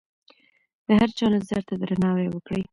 د هر چا نظر ته درناوی وکړئ.